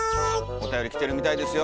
おたより来てるみたいですよ